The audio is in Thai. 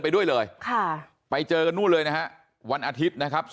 ไปด้วยเลยค่ะไปเจอกันนู่นเลยนะฮะวันอาทิตย์นะครับ